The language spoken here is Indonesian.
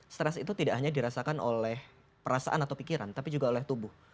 stres itu tidak hanya dirasakan oleh perasaan atau pikiran tapi juga oleh tubuh